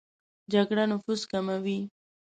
جګړه نفوس کموي